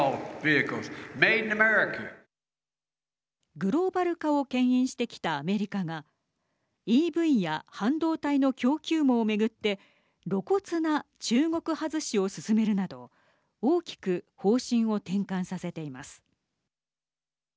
グローバル化をけん引してきたアメリカがＥＶや半導体の供給網を巡って露骨な中国外しを進めるなど大きく方針を転換させています。